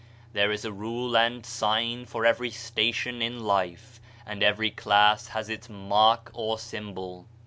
There is a rule and sign for every station in life, and every class has its mark or symbol.